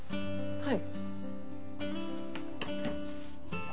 はい。